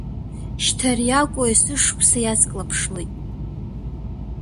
Шьҭа ари акәуа есышықәса иацклаԥшлоит.